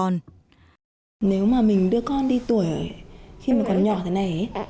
nếu mà mình đưa con đi tuổi khi mà còn nhỏ thế này